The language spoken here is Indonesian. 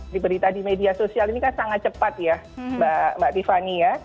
diberi tadi media sosial ini kan sangat cepat ya mbak tiffany ya